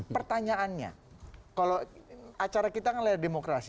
pertanyaannya kalau acara kita kan layar demokrasi